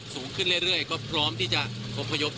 สูงขึ้นเรื่อยก็พร้อมที่จะอบพยพ